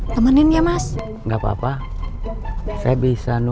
kenapa engga om pesek kayak gini